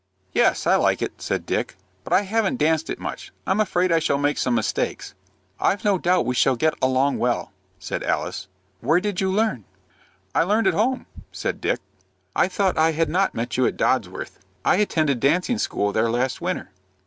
"Yes, I like it," said Dick, "but I haven't danced it much. I'm afraid I shall make some mistakes." "I've no doubt we shall get along well," said Alice. "Where did you learn?" "I learned at home," said Dick. "I thought I had not met you at Dodworth's. I attended dancing school there last winter."